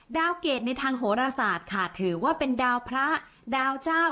เกรดในทางโหรศาสตร์ค่ะถือว่าเป็นดาวพระดาวเจ้า